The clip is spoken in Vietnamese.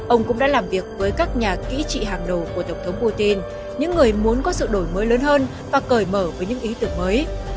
ông cũng đã làm việc với các nhà kỹ trị hàng đầu của tổng thống putin những người muốn có sự đổi mới lớn hơn và cởi mở với những ý tưởng mới